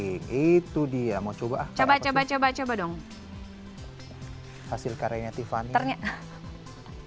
sampai kering sampai garing itu dia mau coba coba coba coba coba dong hasil karyanya tifan ternyata